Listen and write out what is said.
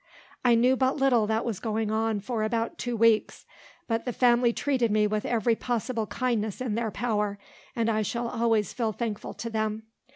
I knew but little that was going on for about two weeks; but the family treated me with every possible kindness in their power, and I shall always feel thankful to them.